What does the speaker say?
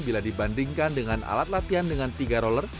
bila dibandingkan dengan alat latihan dengan tiga roller